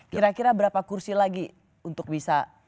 kira kira berapa kursi lagi untuk bisa